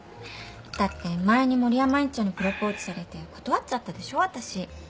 だって前に森山院長にプロポーズされて断っちゃったでしょ私。